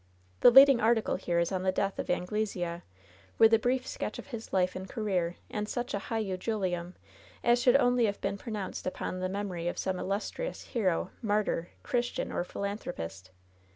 The leading article here is on the death of Angle sea, with a brief sketch of his life and career, and such a high eulogium as should only have been pronoimced upon the memory of some illustrious hero, martyr, Christian, or philanthropist.